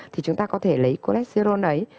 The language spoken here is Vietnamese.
thì chúng ta có thể lấy colexerone ấy